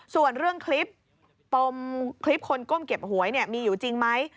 ส่วนเรื่องคลิปปมคลิปคนก้มเก็บหวยมีอยู่จริงไหม